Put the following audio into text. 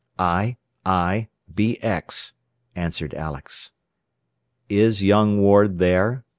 "I, I, BX," answered Alex. "Is young Ward there?"